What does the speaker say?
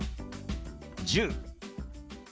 「１０」。